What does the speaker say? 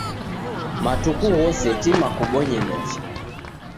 Matuku ghose tima kubonye mecha.